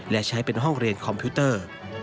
และใช้เป็นห้องเรียนคอมพิวเตอร์